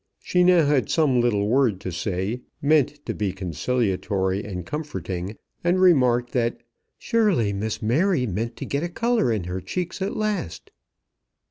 She now had some little word to say, meant to be conciliatory and comforting, and remarked that "surely Miss Mary meant to get a colour in her cheeks at last."